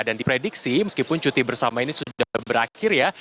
dan diprediksi meskipun cuti bersama ini sudah berakhir ya